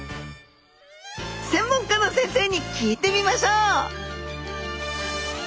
専門家の先生に聞いてみましょう！